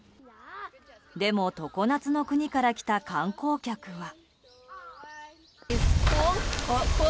でも常夏の国から来た観光客は。